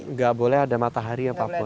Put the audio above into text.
nggak boleh ada matahari apapun